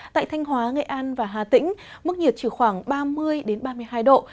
tại thanh hóa nghệ an và hà tĩnh mức nhiệt chỉ khoảng ba mươi ba mươi hai độ